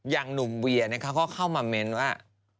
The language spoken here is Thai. อย่างหนุ่มเวียเขาก็เข้ามาเมนต์ว่า